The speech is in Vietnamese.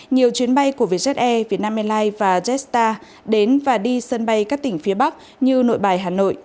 nhiều chuyến bay của vietjet air vietnam airlines và jetstar đến và đi sân bay các tỉnh phía bắc như nội bài hà nội